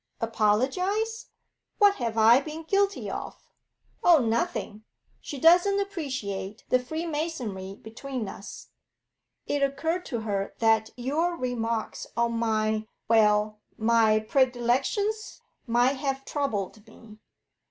'Apologise? What have I been guilty of?' 'Oh, nothing. She doesn't appreciate the freemasonry between us. It occurred to her that your remarks on my well, my predilections, might have troubled me.